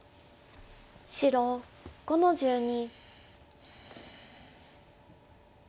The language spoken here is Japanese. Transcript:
白５の十二。